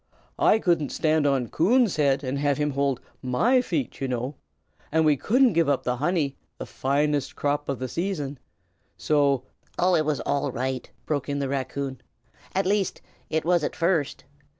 I couldn't stand on Coon's head and have him hold my feet, you know; and we couldn't give up the honey, the finest crop of the season. So " "Oh, it was all right!" broke in the raccoon. "At least, it was at first.